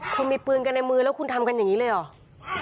คุณมีปืนกันในมือแล้วคุณทำกันอย่างนี้เลยเหรอ